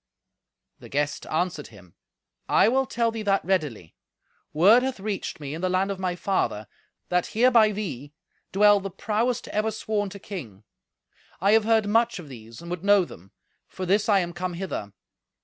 The guest answered him, "I will tell thee that readily. Word hath reached me in the land of my father, that, hereby thee, dwell the prowest ever sworn to king. I have heard much of these, and would know them; for this I am come hither.